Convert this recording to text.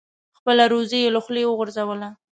خپله روزي یې له خولې وغورځوله.